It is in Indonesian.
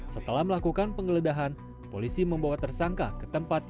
setelah melakukan penggeledahan polisi membawa tersangka ke tempat